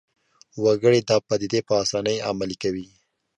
وګړي دا پدیدې په اسانۍ عملي کوي